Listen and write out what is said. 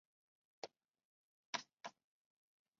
元佑三年卒。